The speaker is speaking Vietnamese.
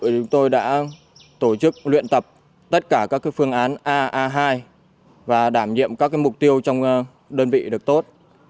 chúng tôi đã tổ chức luyện tập tất cả các phương án aa hai và đảm nhiệm các mục tiêu trong đơn vị được tốt